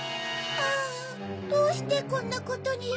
あぁどうしてこんなことに。